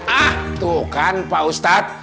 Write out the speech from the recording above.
ah tuh kan pak ustadz